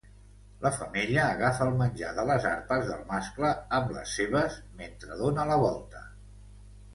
La femella agafa el menjar de les arpes del mascle amb les seves, mentre dóna la volta.